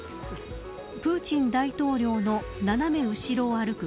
プーチン大統領の斜め後ろを歩く